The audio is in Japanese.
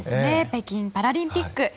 北京パラリンピック